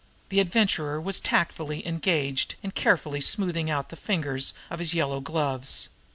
The Adventurer was tactfully engaged in carefully smoothing out the fingers of his yellow gloves.